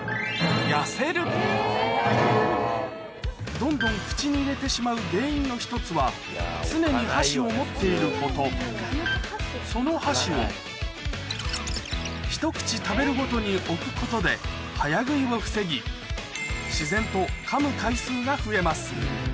どんどん口に入れてしまう原因の１つは常に箸を持っていることその箸をひと口食べるごとに置くことで早食いを防ぎ自然とかむ回数が増えます